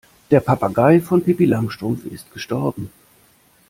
Der Papagei von Pippi Langstrumpf ist gestorben.